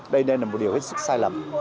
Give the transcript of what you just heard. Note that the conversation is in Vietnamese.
đây là một điều rất sai lầm